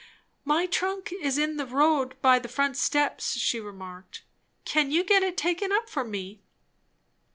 "My trunk is in the road by the front steps," she remarked. "Can you get it taken up for me?"